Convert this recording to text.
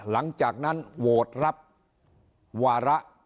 หลังจากนั้นโหวตรับวาระ